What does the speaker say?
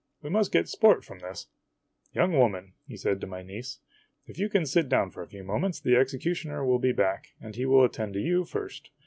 We must get sport from this. Young woman," said he to my niece, " if you can sit down for a few moments, the executioner will be back, and he will attend to you first.